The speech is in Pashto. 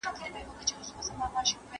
¬ مينځه چي توده سي، هلته بيده سي.